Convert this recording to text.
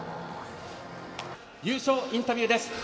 優勝インタビューです。